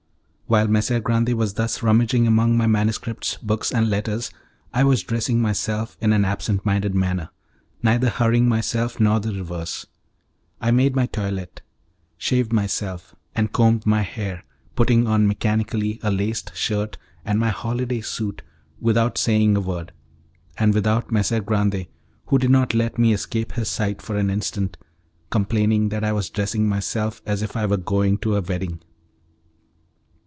While Messer Grande was thus rummaging among my manuscripts, books and letters, I was dressing myself in an absent minded manner, neither hurrying myself nor the reverse. I made my toilette, shaved myself, and combed my hair; putting on mechanically a laced shirt and my holiday suit without saying a word, and without Messer Grande who did not let me escape his sight for an instant complaining that I was dressing myself as if I were going to a wedding.